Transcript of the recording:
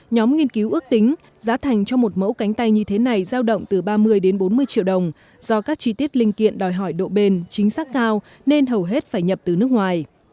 nhóm nghiên cứu ước tính giá thành cho một mẫu cánh tay như thế này giao động từ ba mươi đến bốn mươi triệu đồng do các chi tiết linh kiện đòi hỏi độ bền chính xác cao nên hầu hết phải nhập từ nước ngoài